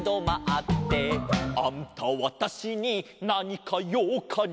「あんたわたしになにかようかに？